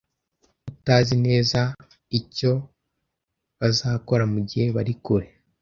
utazi neza icyo bazakora mugihe bari kure.